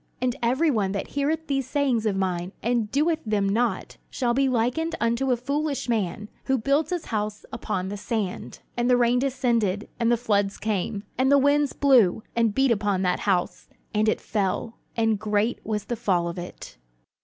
"And every one that heareth these sayings of mine, and doeth them not, shall be likened unto a foolish man, which built his house upon the sand: "And the rain descended, and the floods came, and the winds blew, and beat upon that house; and it fell: and great was the fall of it."